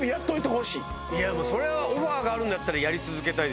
それはオファーがあるんだったらやり続けたいですよ。